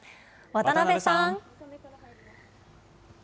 渡辺さん。